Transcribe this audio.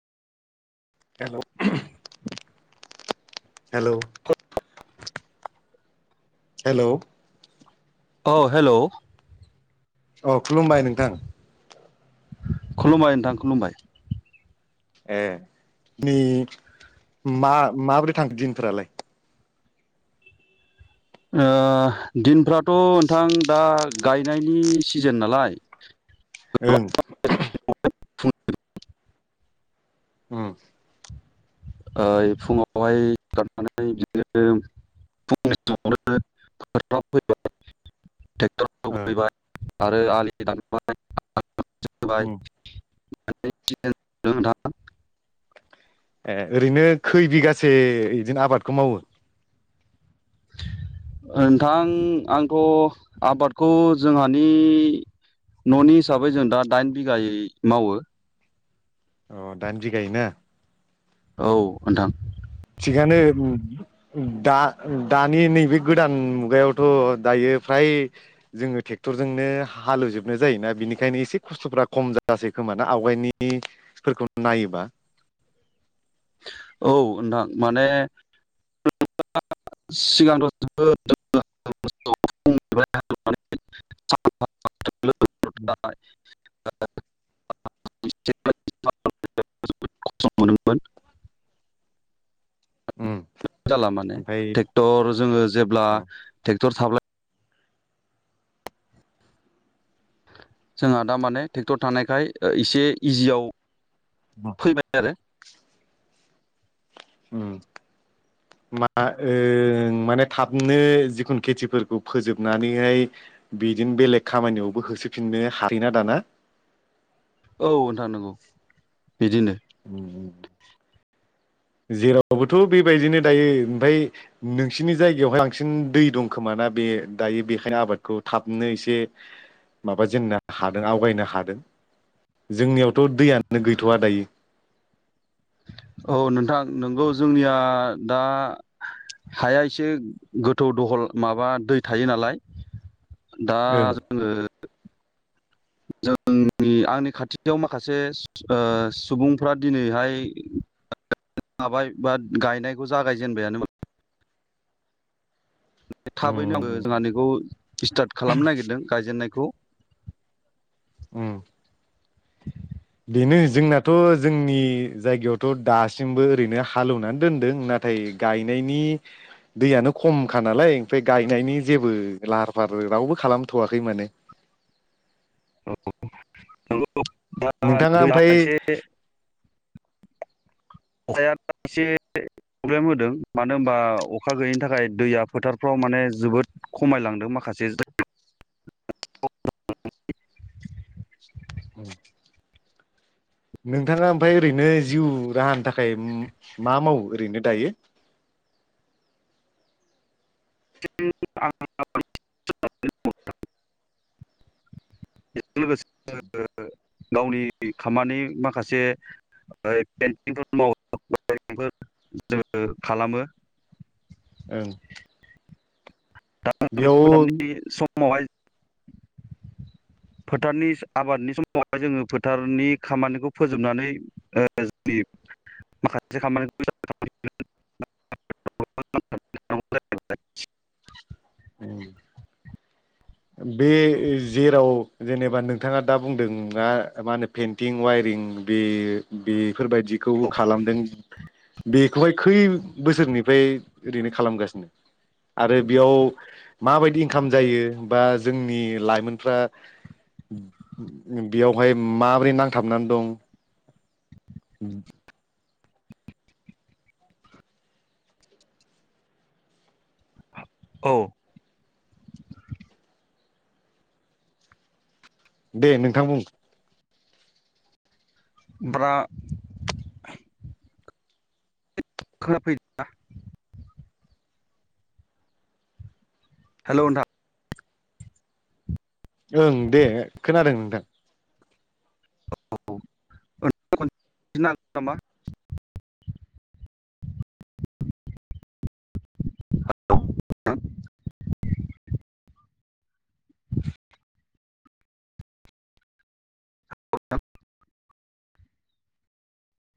हेल' hello hello औ hello अ खुलुमबाय नोंथां। खुलुमबाय नोंथां खुलुमबाय ए नै मा माबोरै थांखो दिनफोरालाय ओ दिनफ्राथ' नोंथां दा गायनायनि सिजोन नालाय ओं फ उम ओय फुङावहाय गारनानै बिदिनो फुंनि समावनोैबाय ट्रेक्टर ओ हेवहोयबाय आरो आलि दान औ [unintelligible] ए ओरैनो खै बिगासे बिदिनो आबादखौ मावो ओ नोंथां आंथ' आबादखौ जोंहानि न'नि हिसाबै जों दा दाइन बिगायै मावो। अ दाइन बिगायै ना औ नोंथां थिगानो दा दानि नैबे गोदान मुगायावथ' दायो फ्राय जोङो ट्रेक्टरजोंनो हालेवजोबनो जायोना बिनिखायनो एसे खस्थ'फ्रा खम जासै खोमाना आवगायनिफोरखौ नायोबा औ नोंथां माने [unintelligible] [unintelligible] खस्थ' मोनोमोन उम जाला माने ओमफ्राय ट्रेक्टर जोङो जेब्ला साबलाय जोंहा दा माने ट्रेक्टर थानायखाय एसे इजियाव अ फैबाय आरो उम्म मा ओ माने थाबनो जिखुनु खेथिफोरखौ फोजोबनानैहाय बिदिनो बेलेग खामानियावबो होसोफिननो हायोना दाना । औ नोंथां नंगौ । उम्म उम्म जेरावबोथ' बेबायदिनो दायो ओमफ्राय नोंसिनि जायगायावहाय बांसिन दै दं खोमाना बे दायो बेखायनो आबादखौ थाबनो एसे माबा जेननो हादों आवगायनो हादों जोंनियावथ' थ' दैयानो गैथ'वा दायो । औ नोंथां नोंगौ जोंनिया दा हाया एसे गोथौ दहल माबा दै थायो नालाय । दा ओं जोङो [inaudible] जोंनि आंनि खाथियाव माखासे सुबुंफ्रा दिनैहाय माबाय बा गायनायखौ जागायजेनबायानो थाबैनो आङो उम जोंहानिखौ स्टार्ट खालामनो नागिरदों गायजेननायखौ । उम बेनो जो औ नंगौ। [unintelligible] नोंथाङा दैया ओमफ्राय एसे अखाया एसे प्रब्लेम होदों मानो होनबा अखा गैयिनि थाखाय दैया फोथारफ्राव माने जोबोद खमायलांदों माखासे [unintelligible] नोंथाङा ओमफाय ओरैनो जिउ राहानि थाखाय म मा मावो ओरैनो दायो? [unintelligible] लोगोसे [unintelligible] गावनि खामानि माखासे ऐ पेन्टिंफोर मावो [unintelligible] जोङो खालामो । ओं दा बे बेयाव फोथारनि सम समावहाय फोथारनि आबादनि समावहाय जोङो फोथारनि खामानिखौ फोजोबनानै ओ जियो माखासे खामानिखौ [unintelligible] उम बे जेराव जेनेबा नोंथाङा दा बुंदों मा मा होनो पेन्टिं वायरिं बे बे बेफोरबादिखौ खालामदों बे खौहाय खै बोसोरनिफ्राय ओरैनो खालामगासिनो आरो बेयाव माबायदि इनकाम जायो? बा जोंनि लाइमोनफ्रा बेयावहाय माबोरै नांथाबनानै दं? उम ह औ दे नोंथां बुं? ब्रा खोनाफैदो ना? हेल' नोंथां ओं दे खोनादों । दा औ [unintelligible] [unintelligible]